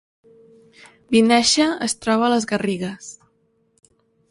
Vinaixa es troba a les Garrigues